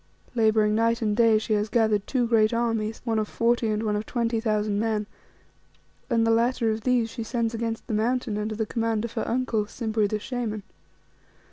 Labouring night and day, she has gathered two great armies, one of forty, and one of twenty thousand men, and the latter of these she sends against the Mountain under the command of her uncle, Simbri the Shaman.